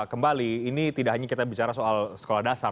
kembali ini tidak hanya kita bicara soal sekolah dasar